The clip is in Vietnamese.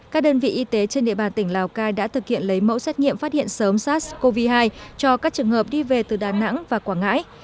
các đơn vị y tế trên địa bàn tỉnh lào cai đã thực hiện lấy mẫu xét nghiệm phát hiện sớm sars cov hai cho các trường hợp đi về từ đà nẵng và quảng ngãi